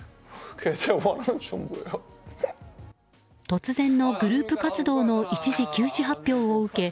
突然のグループ活動の一時休止発表を受け